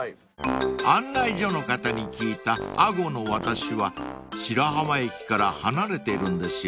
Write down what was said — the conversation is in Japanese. ［案内所の方に聞いた安居の渡しは白浜駅から離れてるんですよね］